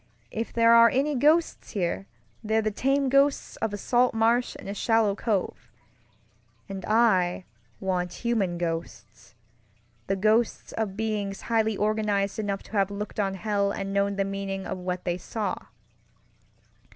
If there are any ghosts here, they're the tame ghosts of a salt marsh and a shallow cove; and I want human ghostsŌĆöthe ghosts of beings highly organized enough to have looked on hell and known the meaning of what they saw.